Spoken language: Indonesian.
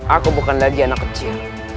aku bukan lagi anak kecil